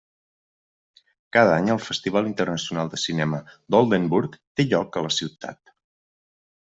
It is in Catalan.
Cada any el Festival Internacional de Cinema d'Oldenburg té lloc a la Ciutat.